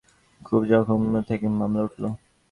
খুন-জখম থেকে মামলা উঠল।